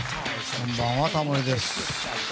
こんばんは、タモリです。